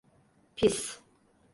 Pis…